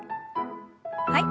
はい。